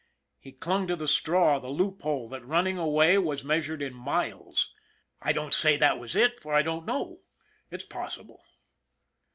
He clung to the straw, the loop hole, that running away was measured in miles. I don't say that was it, for I don't know. It's possible.